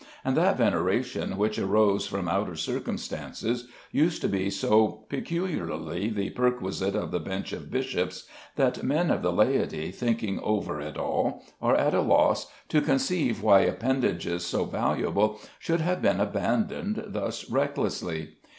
And that veneration which arose from outer circumstances used to be so peculiarly the perquisite of the bench of bishops, that men of the laity, thinking over it all, are at a loss to conceive why appendages so valuable should have been abandoned thus recklessly.